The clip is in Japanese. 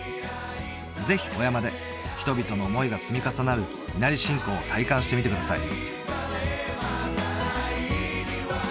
ぜひお山で人々の思いが積み重なる稲荷信仰を体感してみてください